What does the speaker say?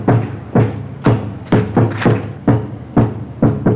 แต่รู้ให้เหมือนกลับขาว